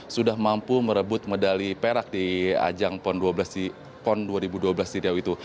sudah mampu merebut medali perak di ajang pond dua ribu dua belas diriau itu